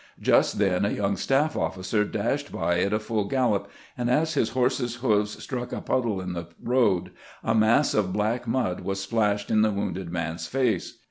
Just then a young staff of&cer dashed by at a fuU gallop, and as his horse's hoofs struck a puddle in the road, a mass of black mud was splashed in the wounded man's face.